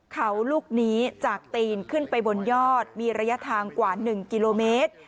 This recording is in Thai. เขาลูกนี้จากตีนขึ้นไปบนยอดมีระยะทางกว่า๑กิโลเมตร